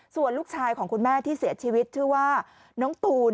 ส่วนลูกชายของคุณแม่ที่เสียชีวิตชื่อว่าน้องตูน